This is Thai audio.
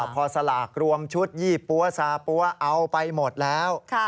พอสลากรวมชุดยี่ปั๊วซาปั๊วเอาไปหมดแล้ว